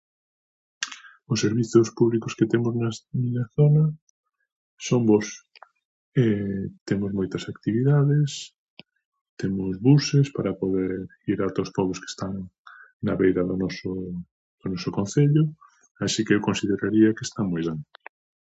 Os servizo públicos que temos nas miña zona son bos, temos moitas actividades, temos buses para poder ir ata os pobos que están na beira do noso do noso concello, así que consideraría que están moi ben.